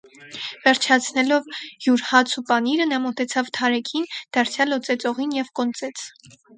Վերջացնելով յուր հաց ու պանիրը նա մոտեցավ թարեքին, դարձյալ ածեց օղին և կոնծեց: